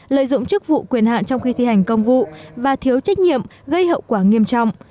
lợi dụng chức vụ quyền hạn trong khi thi hành công vụ và thiếu trách nhiệm gây hậu quả nghiêm trọng